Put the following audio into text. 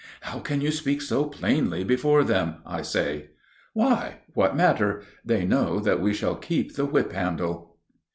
"How can you speak so plainly before them?" I say. "Why, what matter? They know that we shall keep the whip handle."